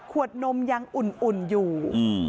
ขวดนมยังอุ่นอุ่นอยู่อืม